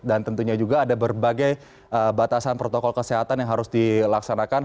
dan tentunya juga ada berbagai batasan protokol kesehatan yang harus dilaksanakan